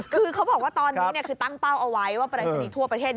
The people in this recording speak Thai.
คือเขาบอกว่าตอนนี้คือตั้งเป้าเอาไว้ว่าปรายศนีย์ทั่วประเทศ